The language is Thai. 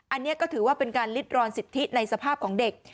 อันนี้ก็ถือว่าเป็นการลิดรอนสิทธิในสภาพของเด็ก